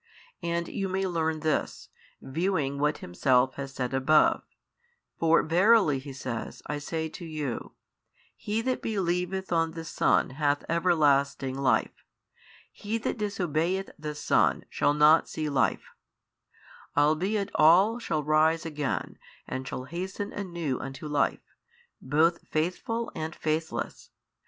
And you may learn this, viewing what Himself has said above: for Verily (He says) I say to you, he that believeth on the Son hath everlasting life, he that disobeyeth the Son shall not see life: albeit all shall rise again and shall hasten anew unto life, both faithful and faithless.